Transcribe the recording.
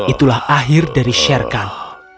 itulah akhir dari sherkan